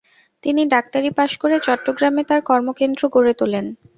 তিনি ডাক্তারি পাশ করে চট্টগ্রামে তার কর্মকেন্দ্র গড়ে তোলেন।